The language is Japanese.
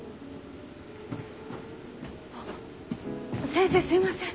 先生すいません。